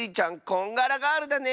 こんがらガールだね！